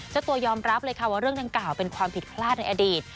เจ้าตัวยอมรับเลยค่ะว่าเรื่องดังกล่าวเป็นความผิดพลาดในอดีต